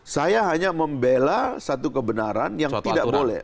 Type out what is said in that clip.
saya hanya membela satu kebenaran yang tidak boleh